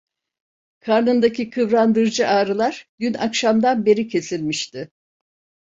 Karnındaki kıvrandırıcı ağrılar dün akşamdan beri kesilmişti.